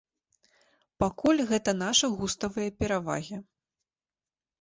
Пакуль гэта нашы густавыя перавагі.